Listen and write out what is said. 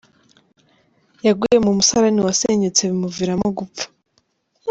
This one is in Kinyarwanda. Yaguye mu musarane wasenyutse bimuviramo gupfa